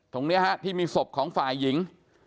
ตรงนี้ฮะที่มีศพของฝ่ายหญิง